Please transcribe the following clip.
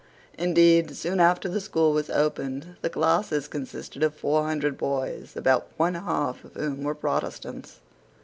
Indeed, soon after the school was opened, the classes consisted of four hundred boys, about one half of whom were Protestants.